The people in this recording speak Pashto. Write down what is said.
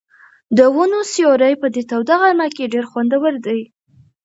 د ونو سیوری په دې توده غرمه کې ډېر خوندور دی.